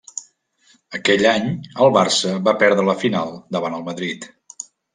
Aquell any, el Barça va perdre la final davant el Madrid.